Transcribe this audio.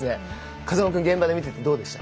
風間くん現場で見ていてどうでした。